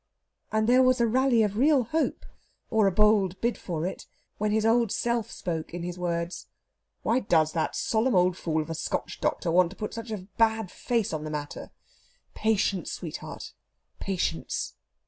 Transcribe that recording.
And there was a rally of real hope, or a bold bid for it, when his old self spoke in his words: "Why does that solemn old fool of a Scotch doctor want to put such a bad face on the matter? Patience, sweetheart, patience!"